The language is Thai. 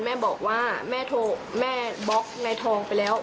แม่บอกว่าแม่โทรแม่บล็อกนายทองไปแล้ว